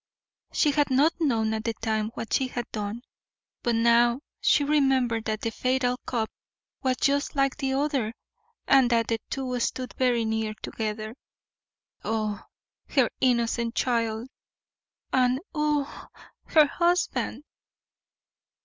She had not known at the time what she had done, but now she remembered that the fatal cup was just like the other and that the two stood very near together. Oh, her innocent child, and oh, her husband!